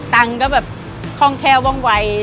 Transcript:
ตังค์ก็แบบค่องแท้ว่องไว